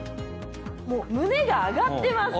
もう胸が上がってます。